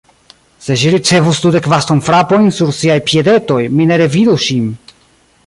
Se ŝi ricevus dudek bastonfrapojn sur siaj piedetoj, mi ne revidus ŝin.